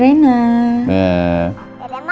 dadah mama dadah papa